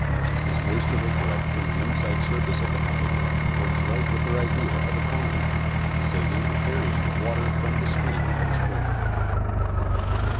This moisture they collect from the inside surface of the hive, works right in with their idea of econ omy, saving the carrying of water from the stream or spring.